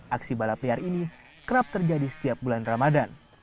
aksi balap liar ini kerap terjadi setiap bulan ramadan